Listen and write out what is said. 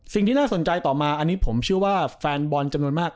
สิ่งที่น่าสนใจต่อมาอันนี้ผมเชื่อว่าแฟนบอลจำนวนมาก